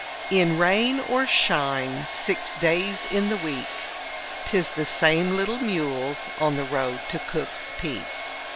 In rain or shine, six days in the week, 'Tis the same little mules on the road to Cook's Peak.